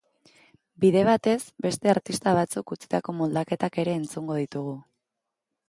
Bide batez, beste artista batzuk utzitako moldaketak ere entzungo ditugu.